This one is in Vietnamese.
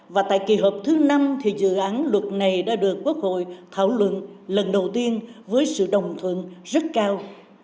và tại kỳ họp thứ năm thì dự án luật này đã được quốc hội thảo luận lần đầu tiên với sự đồng thuận rất cao